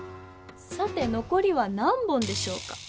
さてのこりは何本でしょうか？